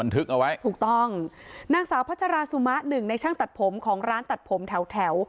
ถูกต้องหนังสาวพัชราซูม้า๑ในช่างตัดผมของร้านตัดผมแถว